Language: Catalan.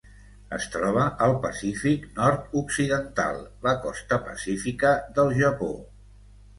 Es troba al Pacífic nord-occidental: la costa pacífica del Japó.